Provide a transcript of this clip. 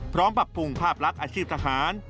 พร้อมปรับภูมิภาพลักษณ์อาชีพทหาร